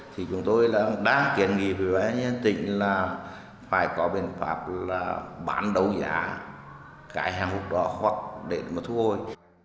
thì chúng tôi đang kiện nghị với tỉnh là phải có biện pháp là bán đầu giá cái hàng hộp đó hoặc để mà thu hồi